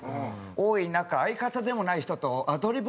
多い中相方でもない人とアドリブ漫才って。